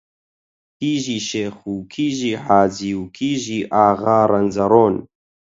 کیژی شێخ و کیژی حاجی و کیژی ئاغا ڕەنجەڕۆن